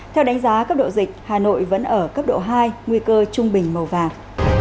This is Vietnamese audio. theo đánh giá cấp độ dịch hà nội vẫn ở cấp độ hai nguy cơ trung bình màu vàng